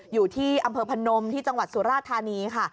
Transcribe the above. อยู่ที่อำเภอพนมที่จังหวัดสุราธานีค่ะ